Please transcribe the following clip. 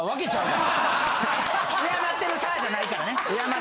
敬ってる「Ｓｉｒ」じゃないからね。